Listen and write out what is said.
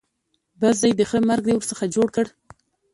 بس دی؛ د خره مرګ دې ورڅخه جوړ کړ.